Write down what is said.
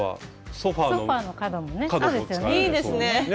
ソファの角もね。